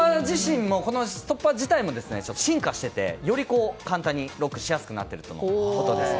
ストッパー自体も進化していてより簡単にロックしやすくなっているとのことです。